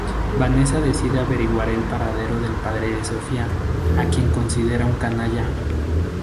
Vanessa decide averiguar el paradero del padre de Sofía, a quien considera un canalla.